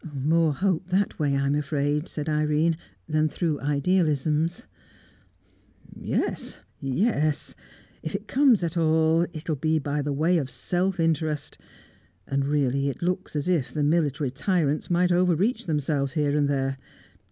"More hope that way, I'm afraid," said Irene, "than through idealisms." "Yes, yes. If it comes at all, it'll be by the way of self interest. And really it looks as if the military tyrants might overreach themselves here and there.